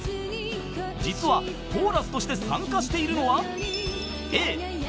［実はコーラスとして参加しているのは］